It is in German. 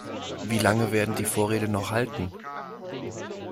Wie lange werden die Vorräte noch halten?